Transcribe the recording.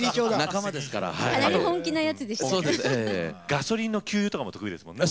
ガソリンの給油とかも得意ですもんね。